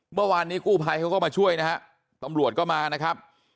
เมื่อวานนี้กู้ภัยเขาก็มาช่วยนะฮะตำรวจก็มานะครับ